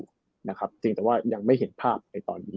สิ่งที่แต่ว่ายังไม่เห็นภาพในตอนนี้